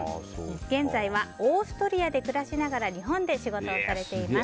現在はオーストリアで暮らしながら日本で仕事をされています。